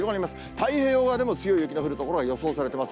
太平洋側でも強い雪が降る所が予想されてます。